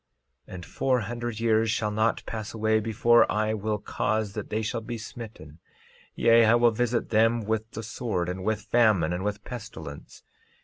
13:9 And four hundred years shall not pass away before I will cause that they shall be smitten; yea, I will visit them with the sword and with famine and with pestilence.